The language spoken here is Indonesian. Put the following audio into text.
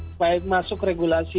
supaya masuk regulasi